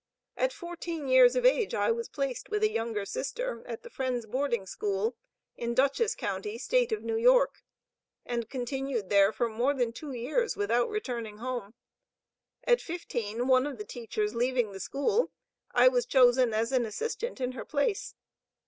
At fourteen years of age, I was placed, with a younger sister, at the Friends' Boarding School, in Dutchess county, State of New York, and continued there for more than two years, without returning home. At fifteen, one of the teachers leaving the school, I was chosen as an assistant in her place.